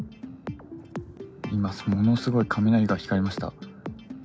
今、ものすごい雷が光りました。